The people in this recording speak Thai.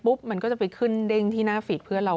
มันก็จะไปขึ้นเด้งที่หน้าฟีดเพื่อนเรา